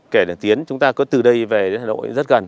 kể đến tiến chúng ta có từ đây về đến hà nội rất gần